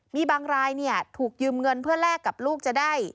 มีบางรายถูกยืมเงินเพื่อแลกกับลูกจะได้